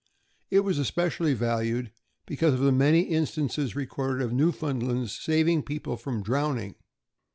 It was especially valued because of the many instances recorded of Newfoundlands saving people from drowning.